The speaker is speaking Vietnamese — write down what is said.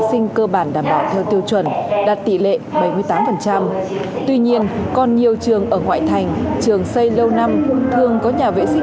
xin kính chào tạm biệt và hẹn gặp lại